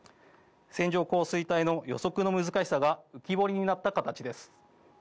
線状降水帯の予測の難しさが浮き彫りになった形です。